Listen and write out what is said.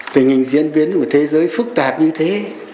tình hình diễn biến của thế giới phức tạp như thế